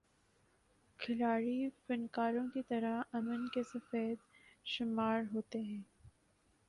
کھلاڑی فنکاروں کی طرح امن کے سفیر شمار ہوتے ہیں۔